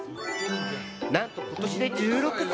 何と今年で１６歳！